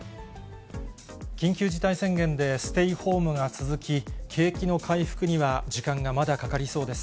緊急事態宣言でステイホームが続き、景気の回復には時間がまだかかりそうです。